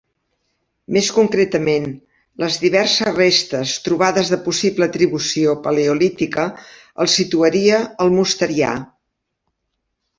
Més concretament, les diverses restes trobades de possible atribució paleolítica el situaria al Mosterià.